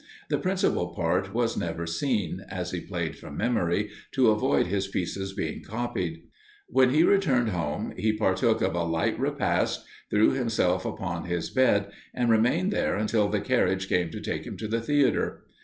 The principal part was never seen, as he played from memory, to avoid his pieces being copied. When he returned home he partook of a light repast, threw himself upon his bed, and remained there until the carriage came to take him to the theatre.